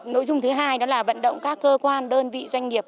nội dung thứ hai đó là vận động các cơ quan đơn vị doanh nghiệp